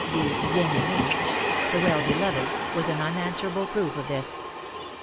the bien aimé, the well beloved, was an unanswerable proof of this.